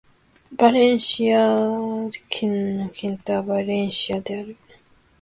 バレンシア県の県都はバレンシアである